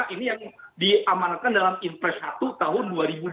ini yang diamanakan dalam inflash satu tahun dua ribu dua puluh dua